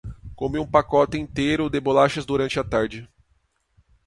Comi um pacote inteiro de bolachas durante a tarde.